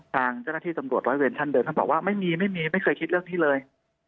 ทางเจ้าหน้าที่ตำรวจร้อยเวรท่านเดิมท่านบอกว่าไม่มีไม่มีไม่เคยคิดเรื่องนี้เลย